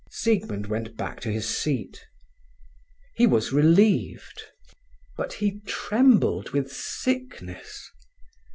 Siegmund went back to his seat. He was relieved, but he trembled with sickness.